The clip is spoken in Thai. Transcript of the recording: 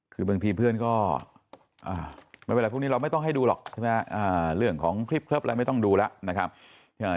คือบางทีเพื่อนก็ไปไว้แล้วพรุ่งนี้เราไม่ต้องให้ดูหรอกใช่ไหมเรื่องของคลิปครับแล้วไม่ต้องดูแล้ว